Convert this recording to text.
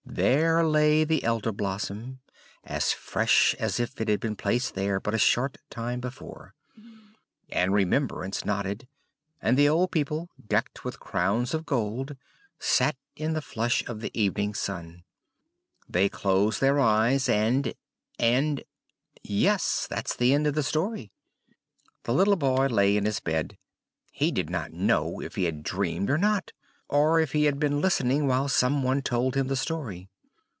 There lay the Elder blossom, as fresh as if it had been placed there but a short time before; and Remembrance nodded, and the old people, decked with crowns of gold, sat in the flush of the evening sun. They closed their eyes, and and ! Yes, that's the end of the story! The little boy lay in his bed; he did not know if he had dreamed or not, or if he had been listening while someone told him the story.